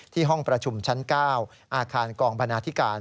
ห้องประชุมชั้น๙อาคารกองพนาธิการ